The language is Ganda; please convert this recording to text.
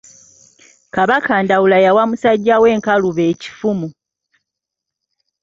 Kabaka Ndawula yawa musajja we Nkalubo ekifumu.